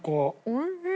おいしい！